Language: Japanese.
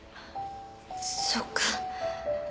そっか。